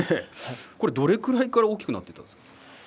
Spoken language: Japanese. どれくらいから大きくなったんですか？